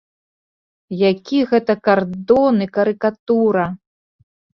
Які гэта кардон і карыкатура!